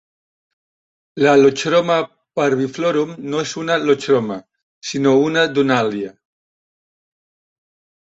La Iochroma parviflorum no és una Iochroma, sinó una Dunalia.